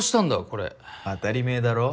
これ当たりめぇだろ？